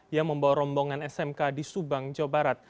yang membawa rombongan smk di subang jawa barat